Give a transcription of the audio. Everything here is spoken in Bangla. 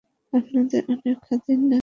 আপনাদের অনেক খাতির নাকি?